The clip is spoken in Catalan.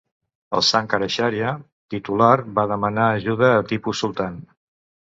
El "Shankaracharya" titular va demanar ajuda a Tipu Sultan.